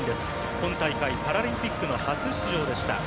今大会パラリンピックの初出場でした。